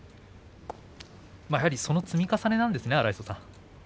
その積み重ねなんですね荒磯さん。